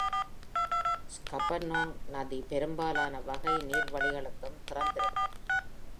Scuppernong நதி பெரும்பாலான வகை நீர்வழிகளுக்கும் திறந்திருக்கும்.